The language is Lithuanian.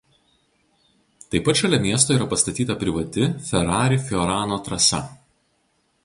Taip pat šalia miesto yra pastatyta privati Ferrari Fiorano trasa.